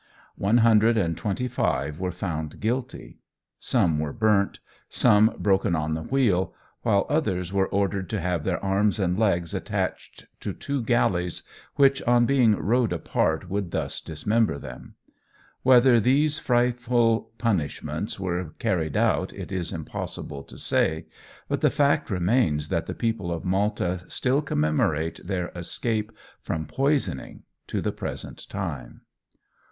One hundred and twenty five were found guilty. Some were burnt, some broken on the wheel, while others were ordered to have their arms and legs attached to two galleys which, on being rowed apart, would thus dismember them. Whether these frightful punishments were carried out it is impossible to say, but the fact remains that the people of Malta still commemorate their escape from poisoning to the present time.